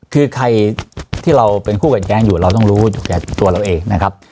คือใครที่เราเป็นคู่กับแก๊งอยู่เราต้องรู้อยู่แก่ตัวเราเองนะครับ